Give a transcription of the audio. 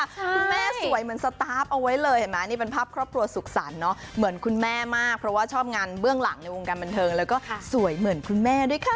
สวยเหมือนสตาร์ฟเอาไว้เลยเห็นไหมนี่เป็นภาพครอบครัวสุขสรรคเหมือนคุณแม่มากเพราะว่าชอบงานเบื้องหลังในวงการบันเทิงแล้วก็สวยเหมือนคุณแม่ด้วยค่ะ